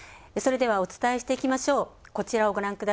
それではお伝えしていきましょう。